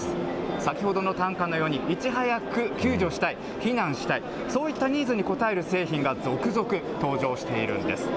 先ほどの担架のように、いち早く救助したい、避難したい、そういったニーズに応える製品が続々登場しているんです。